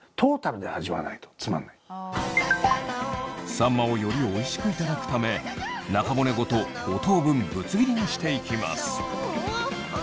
さんまをよりおいしく頂くため中骨ごと５等分ぶつ切りにしていきます。